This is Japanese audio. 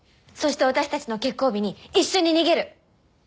そして私たちの決行日に一緒に逃げる。